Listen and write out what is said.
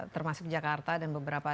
termasuk jakarta dan beberapa